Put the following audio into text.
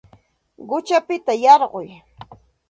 Quchapita yarquy